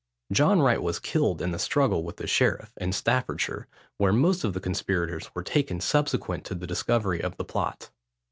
John Wright was killed in the struggle with the sheriff, in Staffordshire, where most of the conspirators were taken subsequent to the discovery of the plot.